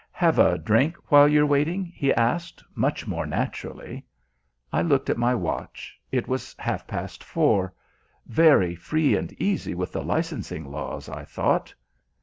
"Have a drink while you're waiting?" he asked, much more naturally. I looked at my watch. It was half past four. Very free and easy with the licensing laws, I thought.